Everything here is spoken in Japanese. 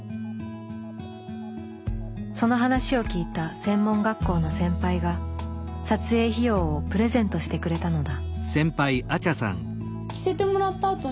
その話を聞いた専門学校の先輩が撮影費用をプレゼントしてくれたのだ。